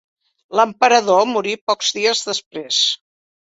L'emperador morí pocs dies després.